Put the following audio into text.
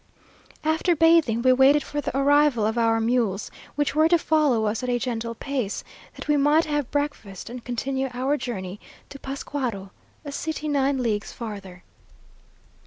After bathing, we waited for the arrival of our mules, which were to follow us at a gentle pace, that we might have breakfast, and continue our journey to Pascuaro, a city nine leagues farther.